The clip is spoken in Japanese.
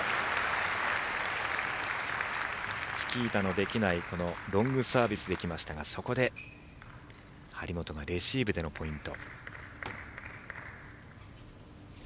チキータのできないロングサービスできましたがそこで張本がレシーブでのポイント。